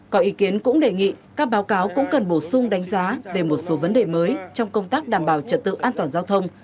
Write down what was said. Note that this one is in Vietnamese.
có ý kiến cũng đề nghị các báo cáo cũng cần bổ sung đánh giá về một số vấn đề mới trong công tác đảm bảo trật tự an toàn giao thông